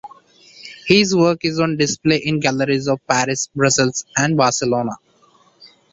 His work is on display in galleries of Paris, Brussels and Barcelona.